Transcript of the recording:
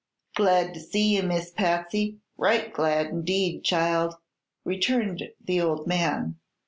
"Glad to see ye, Miss Patsy; right glad 'ndeed, child," returned the old man.